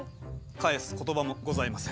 返す言葉もございません。